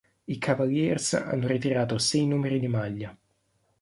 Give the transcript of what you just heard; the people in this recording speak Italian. I Cavaliers hanno ritirato sei numeri di maglia.